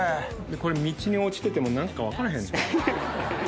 これ道に落ちてても何か分からへん。